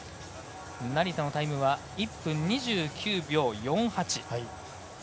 成田のタイムは１分２９秒４８。